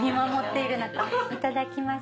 いただきます。